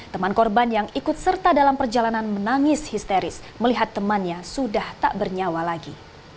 teman korban yang ikut serta dalam perjalanan menangis histeris melihat temannya sudah tak bernyawa lagi